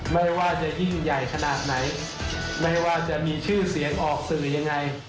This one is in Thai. ไม่ว่าจะยิ่งใหญ่ขนาดไหนไม่ว่าจะมีชื่อเสียงออกสื่อยังไง